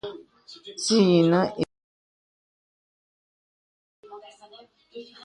Sì yìnə ìnə fɔ̄gɔ̄.